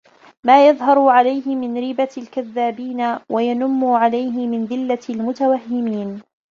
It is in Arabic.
مَا يَظْهَرُ عَلَيْهِ مِنْ رِيبَةِ الْكَذَّابِينَ وَيَنُمُّ عَلَيْهِ مِنْ ذِلَّةِ الْمُتَوَهِّمِينَ